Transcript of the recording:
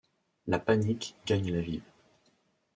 La panique gagne la ville.